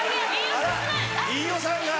飯尾さんが。